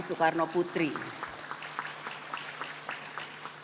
soekarno putri yang terhormat